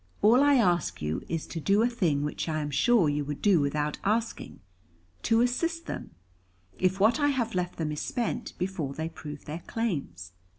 All I ask you is to do a thing which I am sure you would do without asking to assist them, if what I have left them is spent before they prove their claims.